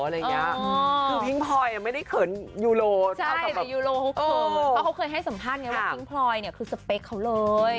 คือพิ้งพลอยไม่ได้เขินยูโรเขาเคยให้สัมภาษณ์ไงว่าพิ้งพลอยคือสเปคเขาเลย